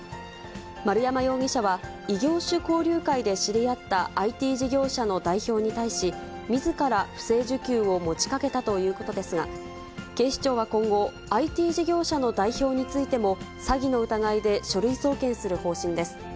丸山容疑者は、異業種交流会で知り合ったＩＴ事業者の代表に対し、みずから不正受給を持ちかけたということですが、警視庁は今後、ＩＴ事業者の代表についても、詐欺の疑いで書類送検する方針です。